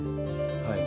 はい。